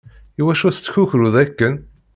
Iwacu tettkukruḍ akken?